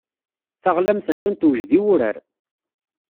Taɣlamt attan tewjed i wurar.